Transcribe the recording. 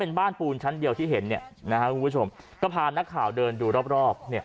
เป็นบ้านปูนชั้นเดียวที่เห็นเนี้ยนะฮะคุณผู้ชมก็พานักข่าวเดินดูรอบรอบเนี้ย